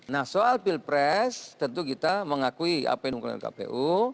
nah soal pilpres tentu kita mengakui apa yang dilakukan oleh kpu